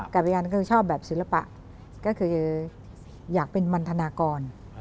กับพยานก็คือชอบแบบศิลปะก็คืออยากเป็นมันธนากร